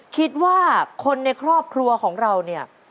คิดว่าคนในครอบครัวของเราเนี่ย